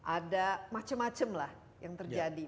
ada macem macem lah yang terjadi